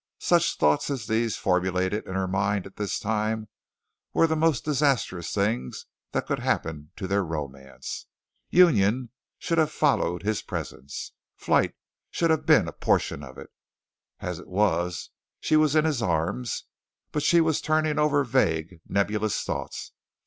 Such thoughts as these formulated in her mind at this time were the most disastrous things that could happen to their romance. Union should have followed his presence. Flight should have been a portion of it. As it was she was in his arms, but she was turning over vague, nebulous thoughts.